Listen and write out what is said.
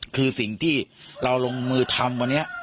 คือสิ่งที่เราลงมือทำวันนี้